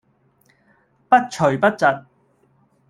不徐不疾